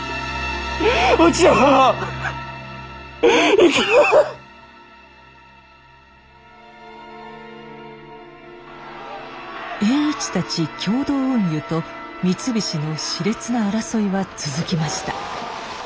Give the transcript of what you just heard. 栄一たち共同運輸と三菱の熾烈な争いは続きました。